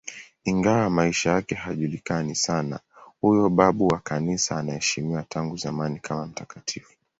Ingawa maisha yake hayajulikani sana, huyo babu wa Kanisa anaheshimiwa tangu zamani kama mtakatifu.